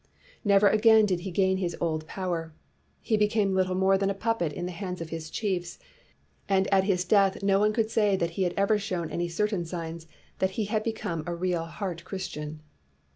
Never again did he gain his old power. He became little more than a puppet in the hands of his chiefs, and at his death no one could say that he had ever shown any certain signs 259 WHITE MAN OF WORK that he had become a real heart Christian.